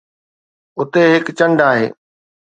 اتي هڪ چنڊ آهي